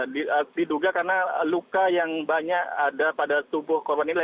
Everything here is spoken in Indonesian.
diduga karena luka yang banyak ada pada tubuh korban ini